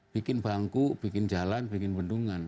bikin bangku bikin jalan bikin bendungan